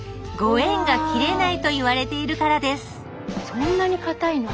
そんなにかたいの？